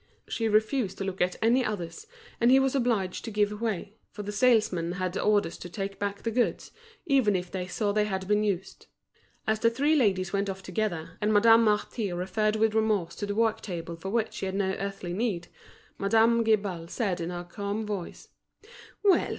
She refused to look at any others, and he was obliged to give way, for the salesmen had orders to take back the goods, even if they saw they had been used. As the three ladies went off together, and Madame Marty referred with remorse to the work table for which she had no earthly need, Madame Guibal said in her calm voice: "Well!